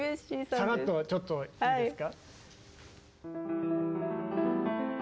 さらっとちょっといいですか？